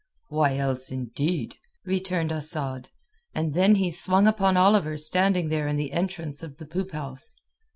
"Why else, indeed?" returned Asad, and then he swung upon Oliver standing there in the entrance of the poop house.